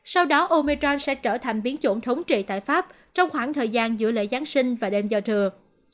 sau đó omicron sẽ trở thành biến chủng thống trị tại pháp trong khoảng thời gian giữa lễ giáng sinh và đêm giờ thừa